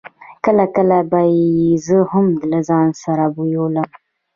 کله کله به يې زه هم له ځان سره بېولم.